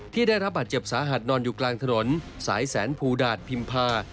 ได้รับบาดเจ็บสาหัสนอนอยู่กลางถนนสายแสนภูดาตพิมพา